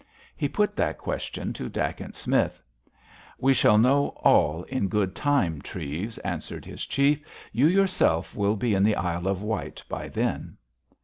He put that question to Dacent Smith. "We shall know all in good time, Treves," answered his chief. "You yourself will be in the Isle of Wight by then."